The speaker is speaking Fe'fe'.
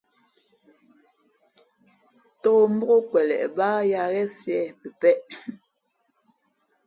Tōk mbók kweleʼ bāā yā ghén siē pəpēʼ.